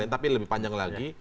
tapi lebih panjang lagi